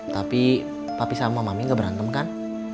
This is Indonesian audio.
tapi papi sama mami gak berantem kan